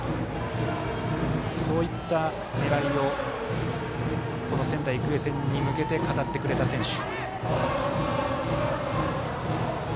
そういった狙いをこの仙台育英戦に向けて語ってくれた選手。